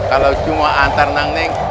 kalau cuma antar neng neng